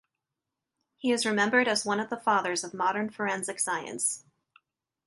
He is remembered as one of the fathers of modern forensic science.